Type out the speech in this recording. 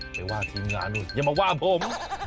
ไปว่าทีมงานนู่นอย่ามาว่าผม